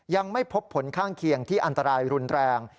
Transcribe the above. ยังไม่พบผลข้างเคียงที่อันตรายรุนแรง